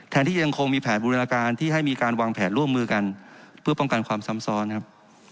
ที่ยังคงมีแผนบูรณาการที่ให้มีการวางแผนร่วมมือกันเพื่อป้องกันความซ้ำซ้อนครับ